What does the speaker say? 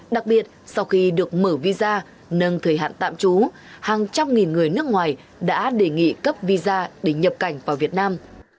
đặc biệt sau khi được mở visa nâng thời hạn tạm trú hàng trăm nghìn người nước ngoài đã đề nghị cấp visa để nhập cảnh vào việt nam